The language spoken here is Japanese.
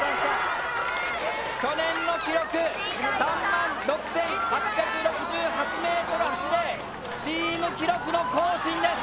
去年の記録３６８６８．８０ｍチーム記録の更新です。